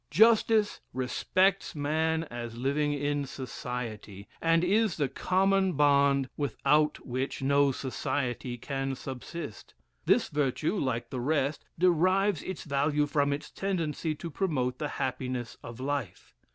"Justice respects man as living in society, and is the common bond without which no society can subsist. This virtue, like the rest, derives its value from its tendency to promote the happiness of life.